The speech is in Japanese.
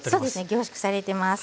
凝縮されてます。